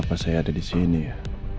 kenapa saya ada disini ya